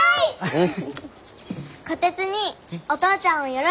うん。